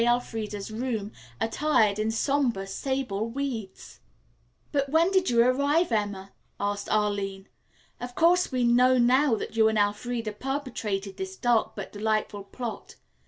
Elfreda's room, attired in somber, sable weeds." "But when did you arrive, Emma?" asked Arline. "Of course we know now that you and Elfreda perpetrated this dark but delightful plot.